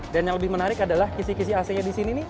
dan yang lebih menarik adalah kisi kisi ac nya di sini nih